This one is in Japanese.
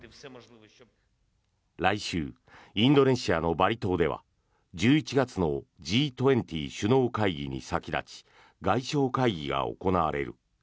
来週、インドネシアのバリ島では１１月のＧ２０首脳会議に先立ち外相会議が行われる。